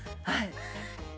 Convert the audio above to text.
はい。